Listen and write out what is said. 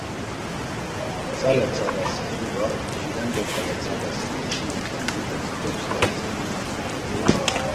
Tzale tsadasi zuğa, jilendo ǩale tsadasi yeşili t̆amlipe dido msǩva izirt̆u.